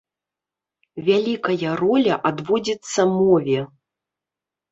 Вялікая роля адводзіцца мове.